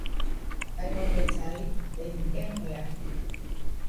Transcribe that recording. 係個女仔，你唔驚佢啊？